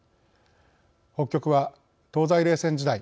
北極は東西冷戦時代